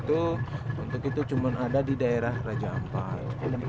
untuk itu cuma ada di daerah raja ampat